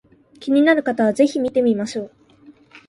気になる方は是非見てみましょう